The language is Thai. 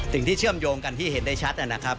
เชื่อมโยงกันที่เห็นได้ชัดนะครับ